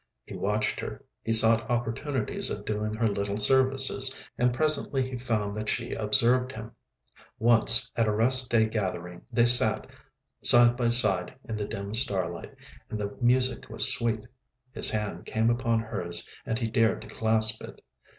He watched her; he sought opportunities of doing her little services and presently he found that she observed him. Once at a rest day gathering they sat side by side in the dim starlight, and the music was sweet. His hand came upon hers and he dared to clasp it.